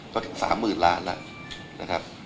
ก็ถึง๓๐๐๐๐๐๐๐ล้านล่ะนะครับ